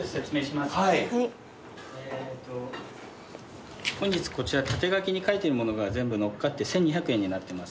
えーっと本日こちら縦書きに書いてるものが全部載っかって１，２００円になってますね。